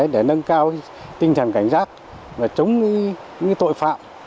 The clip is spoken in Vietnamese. để nâng cao tinh thần cảnh giác và chống những tội phạm